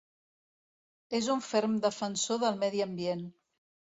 És un ferm defensor del medi ambient.